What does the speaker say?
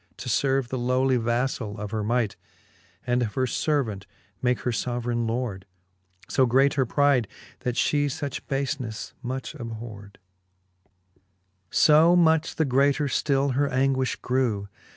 To ferve the lowly vaflall of her might, And of her fervant make her foverayne lord : So great her pride, that fhe fuch bafeneffe much abhord. XXVIII. So much the greater ftill her anguifh grew.